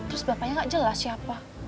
terus bapaknya gak jelas siapa